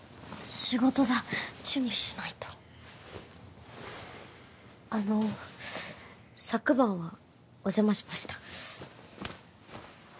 仕事だ準備しないとあの昨晩はお邪魔しました